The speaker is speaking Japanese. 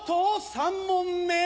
３問目？